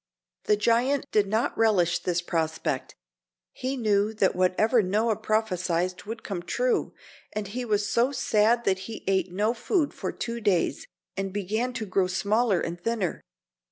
The giant did not relish this prospect. He knew that whatever Noah prophesied would come true, and he was so sad that he ate no food for two days and began to grow smaller and thinner.